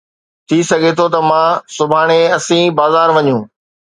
ٿي سگھي ٿو ته متان سڀاڻي اسين بازار وڃون